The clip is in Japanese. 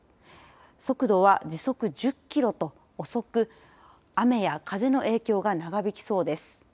速度は時速１０キロと遅く雨や風の影響が長引きそうです。